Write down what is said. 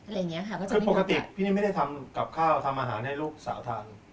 คือปกติพี่นี่ไม่ได้ทำกับข้าวทำอาหารให้ลูกสาวทาน